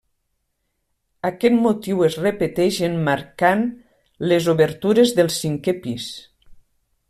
Aquest motiu es repeteix emmarcant les obertures del cinquè pis.